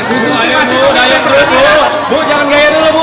bu jangan gaya dulu